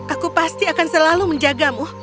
aku pasti akan selalu menjagamu